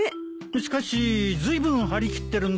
しかしずいぶん張り切ってるんだね。